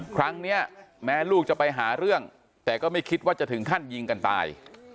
ครั้งนี้แม้ลูกจะไปหาเรื่องแต่ก็ไม่คิดว่าจะถึงขั้นยิงกันตาย